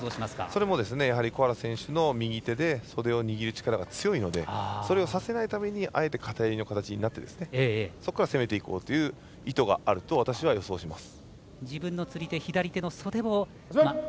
それもやはり小原選手の右手で袖を握る力が強いので、それをさせないためにあえて片襟の力になって攻めていこうという意図があると私は予想します。